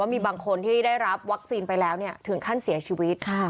ว่ามีบางคนที่ได้รับวัคซีนไปแล้ว